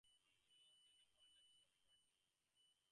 It was also at this point that he started to write music.